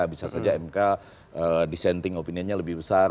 bisa saja mk dissenting opinionnya lebih besar